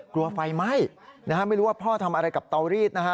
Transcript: กลัวไฟไหม้นะฮะไม่รู้ว่าพ่อทำอะไรกับเตารีดนะฮะ